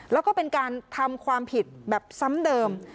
แล้วก็เป็นการทำความผิดแบบซ้ำเดิม